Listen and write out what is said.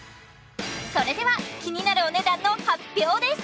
それでは気になるお値段の発表です